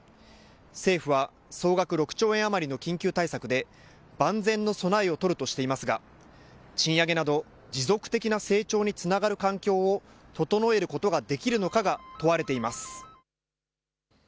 政府は総額６兆円余りの緊急対策で万全の備えを取るとしていますが賃上げなど持続的な成長につながる環境を整えることができるのかが問われています。